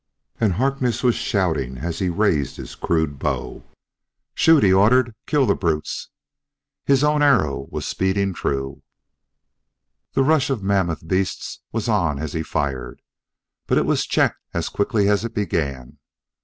And Harkness was shouting as he raised his crude bow. "Shoot!" he ordered. "Kill the brutes!" His own arrow was speeding true. The rush of mammoth beasts was on as he fired, but it was checked as quickly as it began.